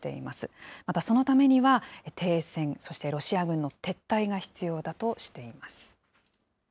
またそのためには停戦、そしてロシア軍の撤退が必要だとしています。